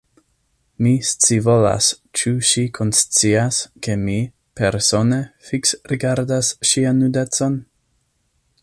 Mi scivolas: ĉu ŝi konscias, ke mi, persone, fiksrigardas ŝian nudecon?